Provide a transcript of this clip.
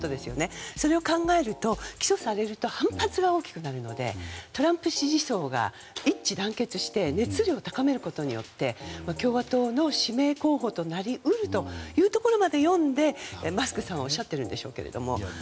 それを考えると起訴されると反発が大きくなるのでトランプ支持層が一致団結して熱量を高めることで共和党の指名候補となり得るところまで読んでマスクさんはおっしゃってるんでしょうけど。